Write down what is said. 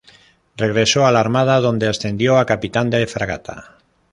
Regresó a la Armada donde ascendió a capitán de fragata.